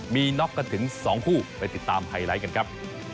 มีน็อกกันถึง๒คู่ไปติดตามไฮไลท์กันครับ